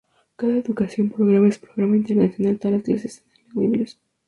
Cada educación programa es "programa internacional", todas las clases está en lengua inglesa.